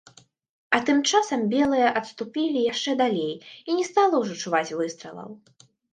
А тым часам белыя адступілі яшчэ далей, і не стала ўжо чуваць выстралаў.